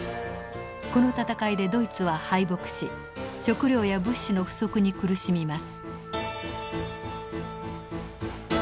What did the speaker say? この戦いでドイツは敗北し食糧や物資の不足に苦しみます。